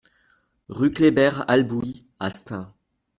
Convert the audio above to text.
Rue Kléber-Albouy à Stains